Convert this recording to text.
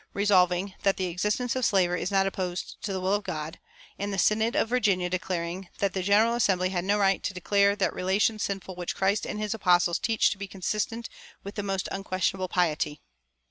resolving that "the existence of slavery is not opposed to the will of God," and the synod of Virginia declaring that "the General Assembly had no right to declare that relation sinful which Christ and his apostles teach to be consistent with the most unquestionable piety."